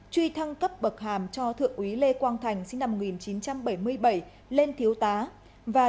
truy thăng cấp bậc hàm cho thượng úy lê quang thành sinh năm một nghìn chín trăm bảy mươi bảy lên thiếu tá